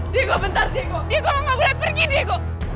dek bentar dek dek lu gak boleh pergi dek